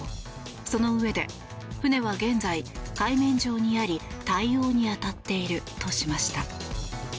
そのうえで船は現在、海面上にあり対応に当たっているとしました。